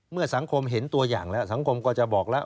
เมื่อสังคมเห็นตัวอย่างแล้วสังคมก็จะบอกแล้ว